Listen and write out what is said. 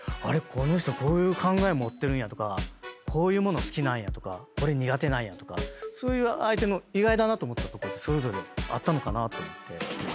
この人こういう考え持ってるんやとかこういうもの好きなんやとかこれ苦手なんやとかそういう相手の意外だなと思ったとこってそれぞれあったのかなと思って。